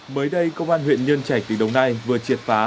mới đây công an huyện nhân trạch tỉnh đồng nai vừa triệt phá